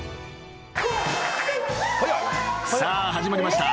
［さあ始まりました。